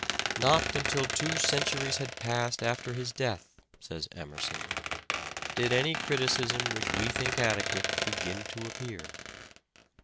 " Not until two 102 " SHAKESPEARE " IDENTIFIED centuries had passed after his death," says Emerson, " did any criticism which we think adequate begin to appear."